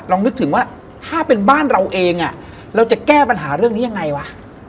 นึกถึงว่าถ้าเป็นบ้านเราเองเราจะแก้ปัญหาเรื่องนี้ยังไงวะ